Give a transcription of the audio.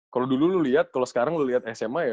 kalau dulu lu lihat kalau sekarang lihat sma ya